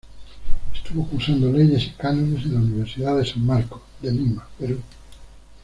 Estuvo cursando Leyes y Cánones en la Universidad de San Marcos, de Lima, Perú.